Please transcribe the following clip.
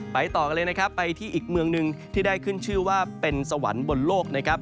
ต่อกันเลยนะครับไปที่อีกเมืองหนึ่งที่ได้ขึ้นชื่อว่าเป็นสวรรค์บนโลกนะครับ